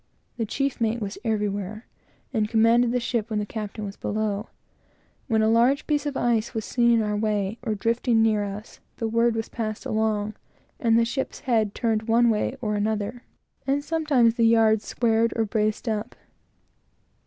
The chief mate was everywhere, and commanded the ship when the captain was below. When a large piece of ice was seen in our way, or drifting near us, the word was passed along, and the ship's head turned one way and another; and sometimes the yards squared or braced up.